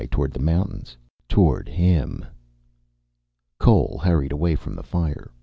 Toward the mountains. Toward him. Cole hurried away from the fire.